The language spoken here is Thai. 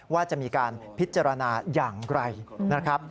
ว่าจะมีการพิจารณาอย่างไรนะครับ